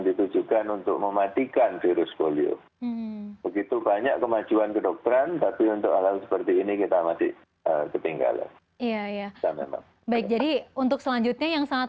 kita harus lakukan untuk polio itu adalah